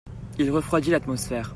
il refroidit l'atmosphère.